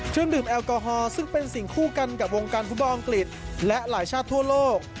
เครื่องดื่มแอลกอฮอลซึ่งเป็นสิ่งคู่กันกับวงการฟุตบอลอังกฤษและหลายชาติทั่วโลก